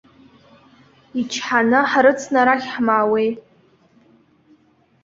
Ичҳаны, ҳрыцны арахь ҳмаауеи.